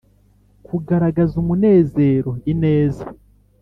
kugaragaza umunezero, ineza,